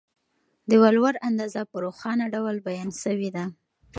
د ولور اندازه په روښانه ډول بیان سوې ده.